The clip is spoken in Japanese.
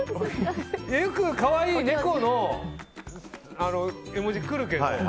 よく、可愛い猫の絵文字が来るけど。